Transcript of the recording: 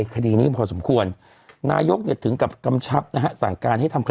คดีนี้พอสมควรนายกยัดถึงกับกำชับสั่งการให้ทำอ่ะ